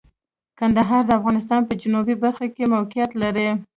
کندهار د افغانستان په جنوبی برخه کې موقعیت لري.